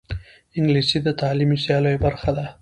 انګلیسي د تعلیمي سیالیو برخه ده